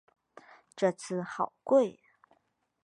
这次好贵